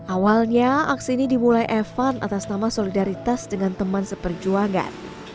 awalnya aksi ini dimulai evan atas nama solidaritas dengan teman seperjuangan